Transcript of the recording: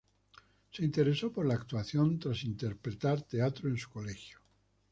Se interesó por la actuación tras interpretar teatro en su colegio.